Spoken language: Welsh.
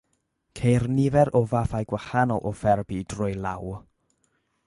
Ceir nifer o fathau gwahanol o therapi drwy law.